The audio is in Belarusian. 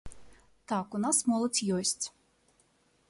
Так, у нас моладзь ёсць.